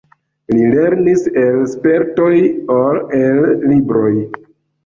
Li pli lernis el spertoj ol el libroj.